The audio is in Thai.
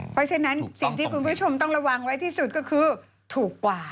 เพราะฉะนั้นสิ่งที่คุณผู้ชมต้องระวังไว้ที่สุดก็คือถูกกว่า